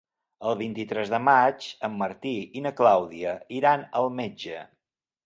El vint-i-tres de maig en Martí i na Clàudia iran al metge.